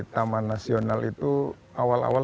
taman nasional itu awal awal